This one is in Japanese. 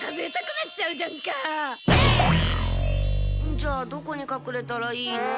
じゃあどこにかくれたらいいの？